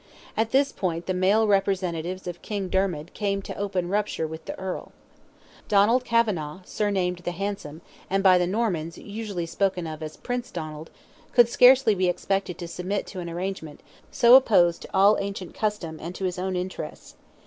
At this point the male representatives of King Dermid came to open rupture with the Earl. Donald Kavanagh, surnamed "the Handsome," and by the Normans usually spoken of as "Prince" Donald, could scarcely be expected to submit to an arrangement, so opposed to all ancient custom, and to his own interests.